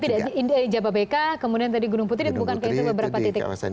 kan kalau tidak di jababeka kemudian tadi gunung putri dan bukan kayak itu beberapa titik industri